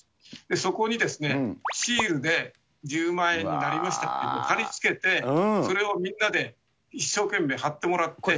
そこにシールで１０万円になりましたっていうのを貼り付けて、それをみんなで一生懸命貼ってもらって。